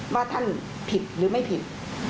ว่าท่านผิดหรือไม่ผิด